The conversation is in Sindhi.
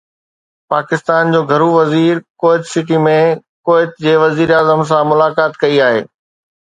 پاڪستان جي گهرو وزير ڪويت سٽي ۾ ڪويت جي وزيراعظم سان ملاقات ڪئي آهي